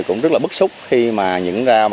cũng rất là bức xúc khi mà những rau